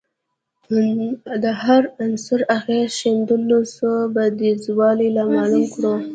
د هر عنصر اغېز ښندلو څو بعدیزوالی رامعلوم کړو